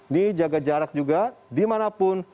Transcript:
nih jaga jarak juga dimanapun